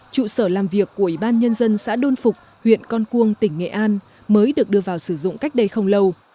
trụ sở làm việc của ủy ban nhân dân xã đôn phục huyện con cuông tỉnh nghệ an mới được đưa vào sử dụng cách đây không lâu